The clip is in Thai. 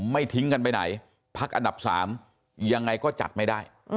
ไม่ทิ้งกันไปไหนพักอันดับ๓ยังไงก็จัดไม่ได้